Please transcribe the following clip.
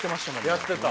やってた。